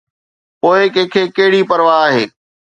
پوءِ ڪنهن کي ڪهڙي پرواهه آهي؟